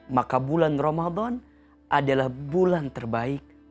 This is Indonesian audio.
maka bulan ramadan adalah bulan terbaik